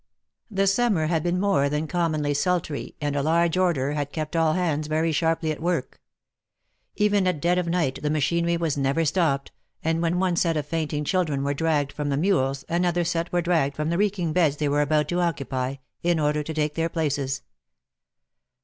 The summer had been more than commonly sultry, and a large order had kept all hands very sharply at work. Even at dead of night the machinery was never stopped, and when one set of fainting children were dragged from the mules another set were dragged from the reeking beds they were about to occupy, in order to take their places.